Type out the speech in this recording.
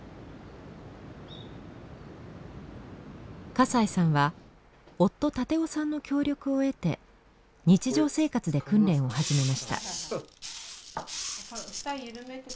笠井さんは夫建夫さんの協力を得て日常生活で訓練を始めました。